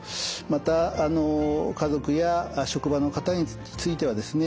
また家族や職場の方についてはですね